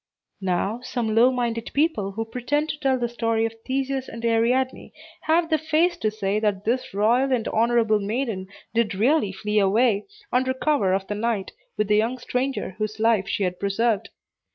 Now, some low minded people, who pretend to tell the story of Theseus and Ariadne, have the face to say that this royal and honorable maiden did really flee away, under cover of the night, with the young stranger whose life she had preserved.